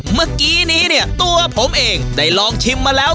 เมื่อกี้นี้เนี่ยตัวผมเองได้ลองชิมมาแล้ว